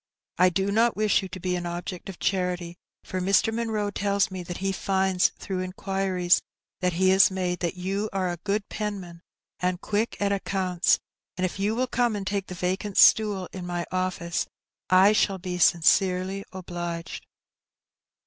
I do not wish you to be an object of charity, for Mr. Munroe tells me that he finds, through inquiries that he has made, that you are a good penman, and quick at accounts, and if you will come and take the vacant stool in my office, I shall be sincerely obliged.